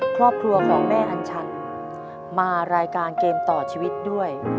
ครอบครัวของแม่อัญชันมารายการเกมต่อชีวิตด้วย